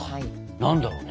何だろうね。